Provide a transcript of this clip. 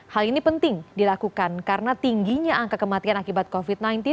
hal ini penting dilakukan karena tingginya angka kematian akibat covid sembilan belas